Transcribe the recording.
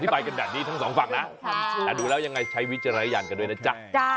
บายกันแบบนี้ทั้งสองฝั่งนะแต่ดูแล้วยังไงใช้วิจารณญาณกันด้วยนะจ๊ะ